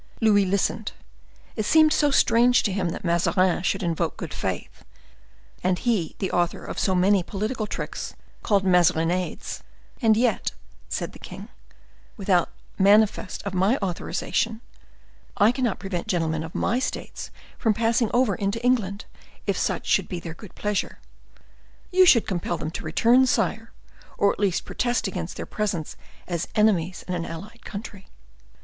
Louis listened; it seemed so strange to him that Mazarin should invoke good faith, and he the author of so many political tricks, called Mazarinades. "And yet," said the king, "without manifest of my authorization, I cannot prevent gentlemen of my states from passing over into England, if such should be their good pleasure." "You should compel them to return, sire, or at least protest against their presence as enemies in a allied country."